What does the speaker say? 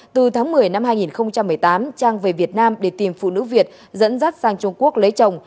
từ tháng một mươi năm hai nghìn một mươi tám trang về việt nam để tìm phụ nữ việt dẫn dắt sang trung quốc lấy chồng